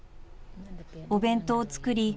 ［お弁当を作り